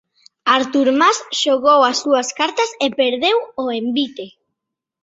Artur Mas xogou as súas cartas e perdeu o envite.